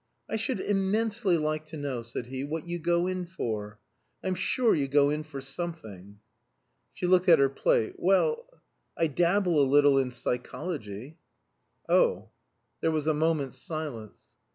"I should immensely like to know," said he, "what you go in for. I'm sure you go in for something." She looked at her plate. "Well, I dabble a little in psychology." "Oh!" There was a moment's silence.